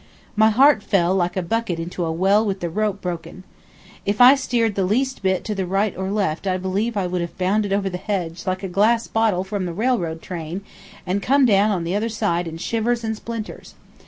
My heart fell, like a bucket into a well with the rope broken. If I steered the least bit to the right or the left I believe I would have bounded over the hedge like a glass bottle from a railroad train, and come down on the other side in shivers and splinters.